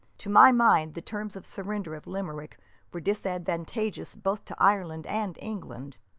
To my mind, the terms of the surrender of Limerick were disadvantageous both to Ireland and England.